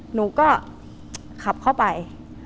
หนูก็ขับเข้าไป